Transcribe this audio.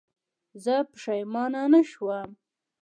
زه پښېمانه نه شوم.